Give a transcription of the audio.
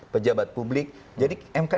pejabat publik jadi mkd